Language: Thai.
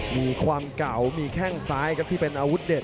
มีความกล่าวมีแค่งซ้ายที่เป็นอาวุธเด็ด